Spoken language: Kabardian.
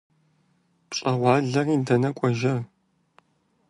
ПщӀэгъуалэри дэнэ кӀуэжа?